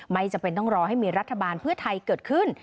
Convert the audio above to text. ไม่จำเป็นต้องรอให้มีรัฐบาลเพื่อไทยเกิดขึ้น